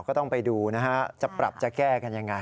ก็ต้องไปดูนะฮะจะปรับจะแก้กันยังไง